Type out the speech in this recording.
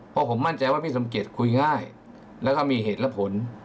เพราะผมมั่นใจว่าพี่สมเกียจคุยง่ายแล้วก็มีเหตุและผล